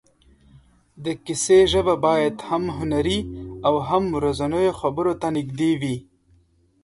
د کیسې ژبه باید هم هنري او هم ورځنیو خبرو ته نږدې وي.